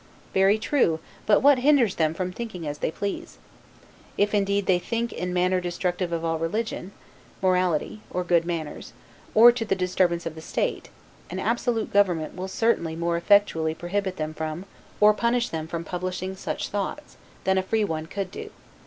Very true, but what hinders them from thinking as they please? If indeed they think in manner destructive of all religion, morality, or good manners, or to the disturbance of the state, an absolute government will certainly more effectually prohibit them from, or punish them for publishing such thoughts, than a free one could do.